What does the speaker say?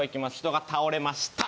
人が倒れました。